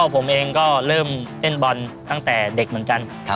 ผมเองก็เริ่มเต้นบอลตั้งแต่เด็กเหมือนกัน